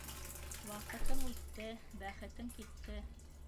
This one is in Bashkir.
Ваҡытың үтте бәхетең китте.